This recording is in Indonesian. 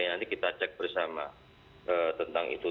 nanti kita cek bersama tentang itu